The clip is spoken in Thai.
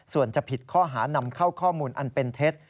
ส่วนจะผิดข้อหานำเข้าข้อมูลอันเป็นเท็จ